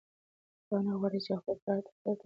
پاڼه غواړي چې خپل پلار ډاکټر ته بوځي.